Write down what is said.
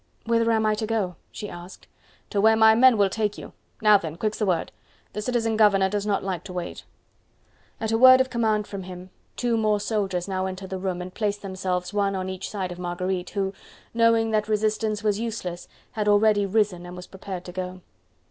"Whither am I to go?" she asked. "To where my men will take you. Now then, quick's the word. The citizen governor does not like to wait." At a word of command from him, two more soldiers now entered the room and placed themselves one on each side of Marguerite, who, knowing that resistance was useless, had already risen and was prepared to go.